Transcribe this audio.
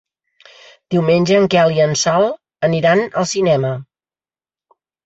Diumenge en Quel i en Sol aniran al cinema.